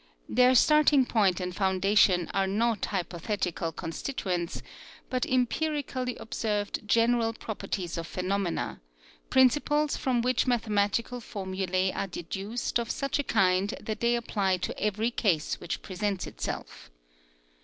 Their starting point and foundation are not i From the London Times. hypothetical constituents, but empirically ob served general properties of phenomena, prin ciples from which mathematical formulae are deduced of such a kind that they apply to every case which presents itself.